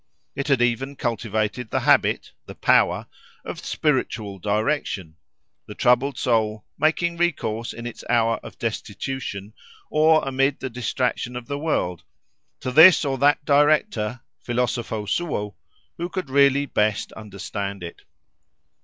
It had even cultivated the habit, the power, of "spiritual direction"; the troubled soul making recourse in its hour of destitution, or amid the distractions of the world, to this or that director—philosopho suo—who could really best understand it.